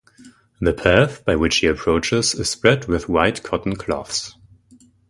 The path by which he approaches is spread with white cotton cloths.